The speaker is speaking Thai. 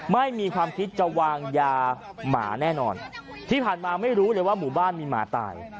ไม่มีความคิดจะวางยาหมาแน่นอนที่ผ่านมาไม่รู้เลยว่าหมู่บ้านมีหมาตาย